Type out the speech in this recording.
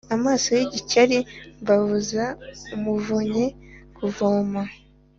Amaso y’igikeri ntabuza umuvomyi kuvoma.